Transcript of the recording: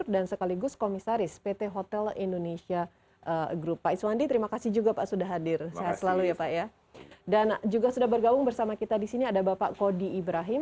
dan juga sudah bergabung bersama kita disini ada bapak kody ibrahim